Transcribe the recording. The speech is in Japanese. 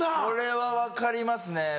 これは分かりますね。